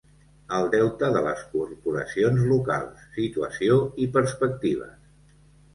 El deute de les corporacions locals: situació i perspectives.